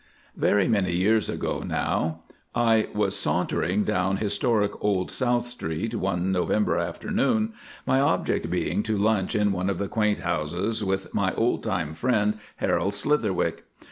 Very many years ago now I was sauntering down historic old South Street one November afternoon, my object being to lunch in one of the quaint houses with my old time friend, Harold Slitherwick.